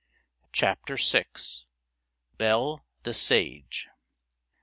CHAPTER VI BELLE THE SAGE.